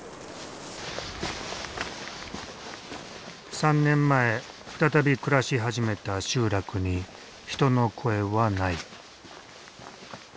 ３年前再び暮らし始めた集落に人の声はない。